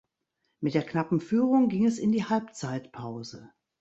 Mit der knappen Führung ging es in die Halbzeitpause.